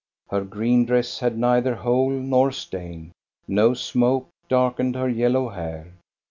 Her green dress had neither hole nor stain, no smoke darkened her yellow hair.